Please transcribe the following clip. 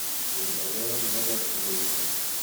D lawan ma ad d-friwseḍ.